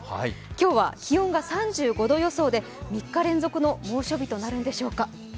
今日は気温が３５度予想で、３日連続の猛暑日となるんでしょうか。